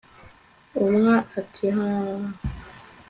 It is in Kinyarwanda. umwa atiahaaa!!